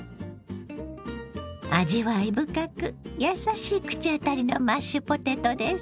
味わい深く優しい口当たりのマッシュポテトです。